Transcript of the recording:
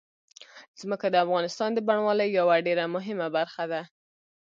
ځمکه د افغانستان د بڼوالۍ یوه ډېره مهمه برخه ده.